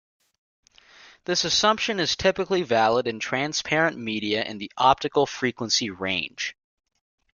This assumption is typically valid in transparent media in the optical frequency range.